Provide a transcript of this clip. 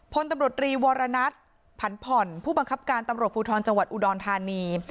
พลตำรวจรีวรณัฐผันผ่อนผู้บังคับการตำรวจภูทรจังหวัดอุดรธานี